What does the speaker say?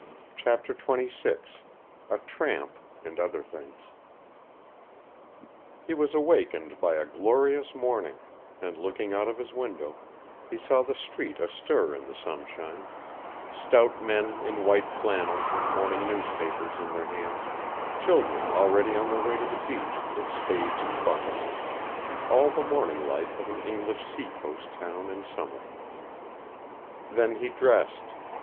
CHAPTER XXVI A TRAMP, AND OTHER THINGS He was awakened by a glorious morning, and, looking out of his window, he saw the street astir in the sunshine, stout men in white flannels with morning newspapers in their hands, children already on their way to the beach with spades and buckets, all the morning life of an English seacoast town in Summer. Then he dressed.